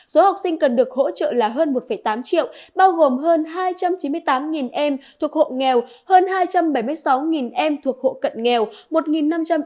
số học sinh cần được hỗ trợ là hơn một tám triệu bao gồm hơn hai trăm chín mươi tám em thuộc hộ nghèo hơn hai trăm bảy mươi sáu em thuộc hộ cận nghèo